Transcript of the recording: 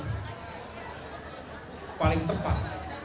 sebagai calon presiden